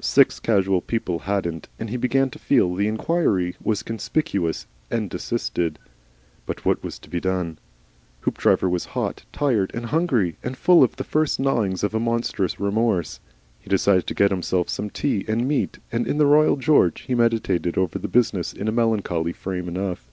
Six casual people hadn't, and he began to feel the inquiry was conspicuous, and desisted. But what was to be done? Hoopdriver was hot, tired, and hungry, and full of the first gnawings of a monstrous remorse. He decided to get himself some tea and meat, and in the Royal George he meditated over the business in a melancholy frame enough.